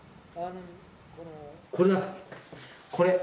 これだこれ。